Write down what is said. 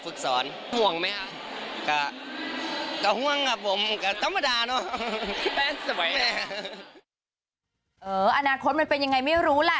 อนาคตมันเป็นยังไงไม่รู้แหละ